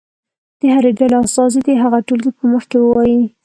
د هرې ډلې استازی دې هغه ټولګي په مخ کې ووایي.